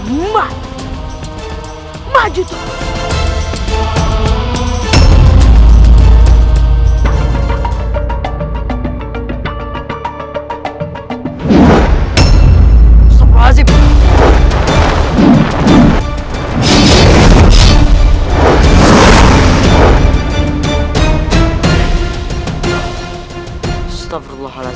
tidak ada yang bisa kita cari